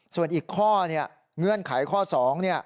ส่วนอีกข้อเนี่ยเงื่อนไขข้อ๒เนี่ย